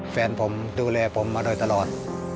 แฟนผมดูแลผมมาโดยตลอด